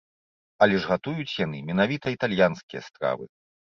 Але ж гатуюць яны менавіта італьянскія стравы.